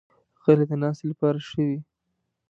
غلۍ د ناستې لپاره ښه وي.